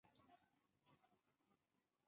狮子队是唯一驻锡昆士兰的队伍。